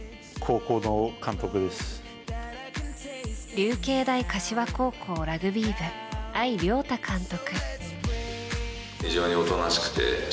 流経大柏高校ラグビー部相亮太監督。